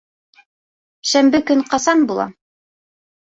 Шәмбе көн ҡасан була?